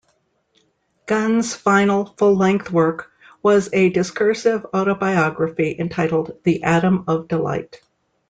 Gunn's final full-length work was a discursive autobiography entitled "The Atom of Delight".